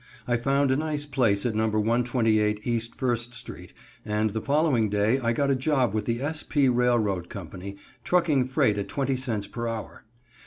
I found a nice place at No. 128 E. First street, and the following day I got a job with the S. P. Railroad Company, trucking freight at 20 cents per hour.